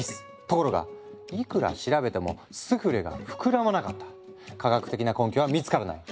ところがいくら調べてもスフレが膨らまなかった科学的な根拠は見つからない。